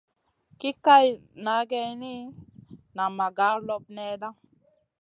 Ki kaï na geyni, nan ma gar loɓ nèhda.